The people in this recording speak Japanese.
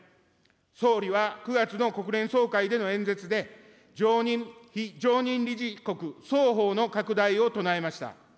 総理は９月の国連総会での演説で、常任、非常任理事国双方の拡大を唱えました。